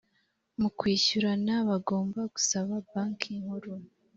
mu kwishyurana bagomba gusaba banki nkuru